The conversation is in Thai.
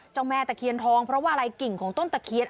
แม่ตะเคียนทองเพราะว่าอะไรกิ่งของต้นตะเคียน